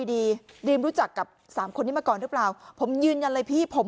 ดีดรีมรู้จักกับสามคนนี้มาก่อนหรือเปล่าผมยืนยันเลยพี่ผม